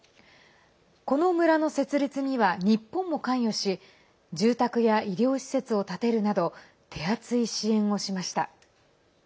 この村の設立には日本も関与し住宅や医療施設を建てるなど手厚い支援をしました。